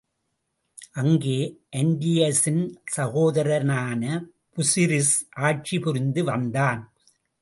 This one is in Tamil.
அங்கே ஆன்டியஸின் சகோதரனான புசிரிஸ் ஆட்சி புரிந்து வந்தான்.